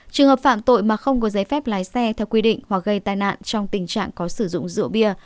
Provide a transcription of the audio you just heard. trường hợp phạm tội mà không có giấy phép lái xe theo quy định hoặc gây tai nạn trong tình trạng có sử dụng rượu bia